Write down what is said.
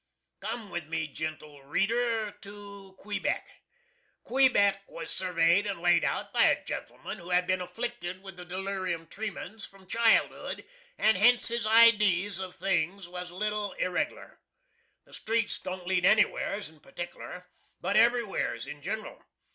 Come with me, jentle reader, to Quebeck. Quebeck was surveyed and laid out by a gentleman who had been afflicted with the delirium tremens from childhood, and hence his idees of things was a little irreg'ler. The streets don't lead anywheres in partic'ler, but everywheres in gin'ral.